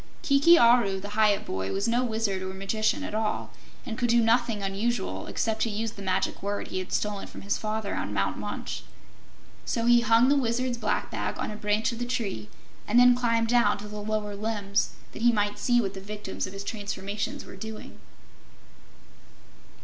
Kiki Aru, the Hyup boy, was no wizard or magician at all, and could do nothing unusual except to use the Magic Word he had stolen from his father on Mount Munch. So he hung the Wizard's black bag on a branch of the tree and then climbed down to the lower limbs that he might see what the victims of his transformations were doing.